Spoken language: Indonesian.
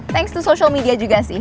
thanks to social media juga sih